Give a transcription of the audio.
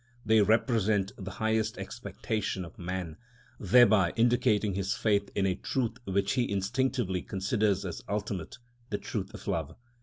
They represent the highest expectation of man, thereby indicating his faith in a truth which he instinctively considers as ultimate—the truth of love.